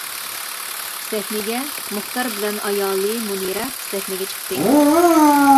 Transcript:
سەھنىگە مۇختەر بىلەن ئايالى مۇنىرە سەھنىگە چىقتى.